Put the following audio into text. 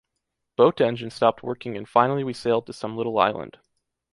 Boat engine stopped working and finally we sailed to some little island.